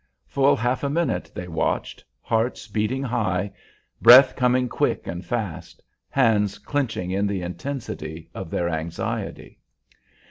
Full half a minute they watched, hearts beating high, breath coming thick and fast, hands clinching in the intensity of their anxiety.